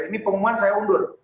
ini pengumuman saya undur